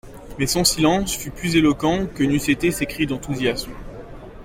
Mais son silence fut plus éloquent que n’eussent été ses cris d’enthousiasme.